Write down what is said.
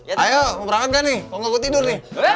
ayo mau berangkat gak nih kok gak gue tidur nih